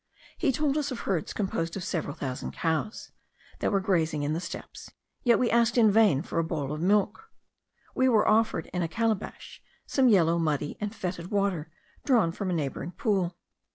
He told us of herds composed of several thousand cows, that were grazing in the steppes; yet we asked in vain for a bowl of milk. We were offered, in a calabash, some yellow, muddy, and fetid water, drawn from a neighbouring pool.